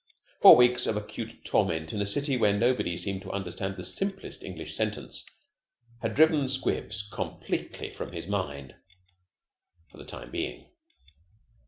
Four weeks of acute torment in a city where nobody seemed to understand the simplest English sentence had driven 'Squibs' completely from his mind for the time being.